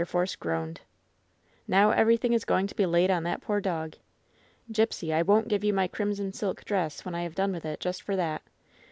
Force groaned. "Now everything is going to be laid on that poor dog! Gipsy, I won't give you my crimson silk dress when I have done with it, just for that.